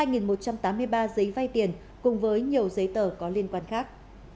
hai một trăm tám mươi ba giấy vay tiền cùng với nhiều giấy tờ có liên quan khác